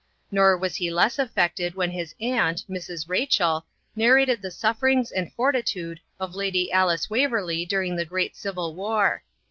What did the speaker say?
Nor was he less affected when his aunt, Mrs. Rachel, narrated the sufferings and fortitude of Lady Alice Waverley during the Great Civil War.